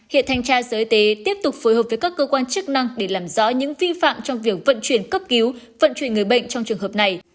hiện thanh tra sở y tế tiếp tục phối hợp với các cơ quan chức năng để làm rõ những vi phạm trong việc vận chuyển cấp cứu vận chuyển người bệnh trong trường hợp này